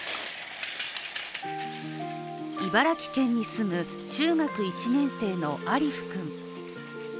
茨城県に住む中学１年生のアリフ君。